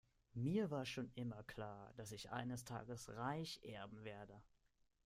Mir war schon immer klar, dass ich eines Tages reich erben werde.